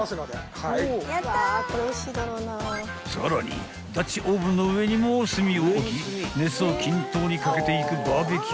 ［さらにダッチオーブンの上にも炭を置き熱を均等にかけていくバーベキュー